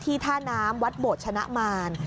ท่าน้ำวัดโบชนะมาร